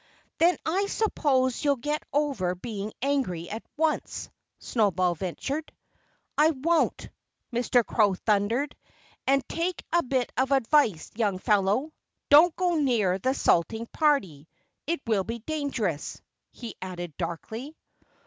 "Then I suppose you'll get over being angry, at once," Snowball ventured. "I won't!" Mr. Crow thundered. "And take a bit of advice, young fellow: Don't go near the salting party! It will be dangerous," he added darkly.